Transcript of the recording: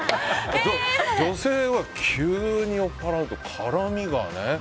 女性は急に酔っぱらうと絡みがね。